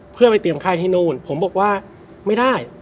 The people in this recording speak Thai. เพื่อไปเตรียมค่ายที่นู่นผมบอกว่าไม่ได้